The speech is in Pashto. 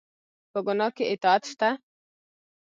په ګناه کې اطاعت شته؟